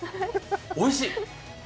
おいしい。